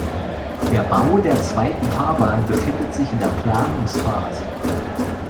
Der Bau der zweiten Fahrbahn befindet sich in der Planungsphase.